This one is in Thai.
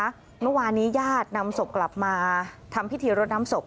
ทั้งวันนี้ญาตินำสบกลับมาทำพิธีรดนำสบ